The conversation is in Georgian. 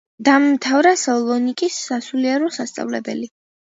დაამთავრა სალონიკის სასულიერო სასწავლებელი.